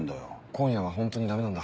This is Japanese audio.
今夜はホントにダメなんだ。